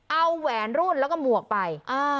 เอาแหวนรุ่นแล้วก็หมวกไป